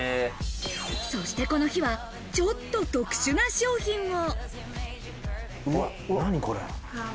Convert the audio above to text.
そして、この日はちょっと特殊な商品を。